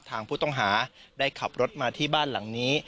ทางผู้ต้องหาได้ขับรถมาที่บ้านหลังนี้